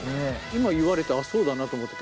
今言われてあっそうだなと思って。